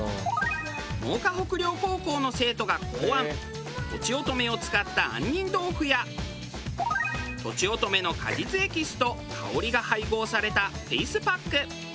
真岡北陵高校の生徒が考案とちおとめを使った杏仁豆腐やとちおとめの果実エキスと香りが配合されたフェースパック。